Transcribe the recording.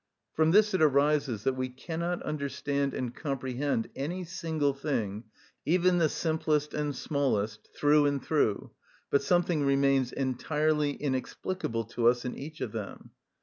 From this it arises that we cannot understand and comprehend any single thing, even the simplest and smallest, through and through, but something remains entirely inexplicable to us in each of them.